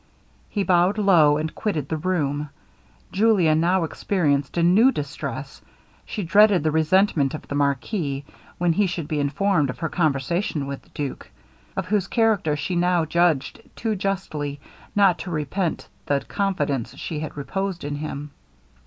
He bowed low, and quitted the room. Julia now experienced a new distress; she dreaded the resentment of the marquis, when he should be informed of her conversation with the duke, of whose character she now judged too justly not to repent the confidence she had reposed in him.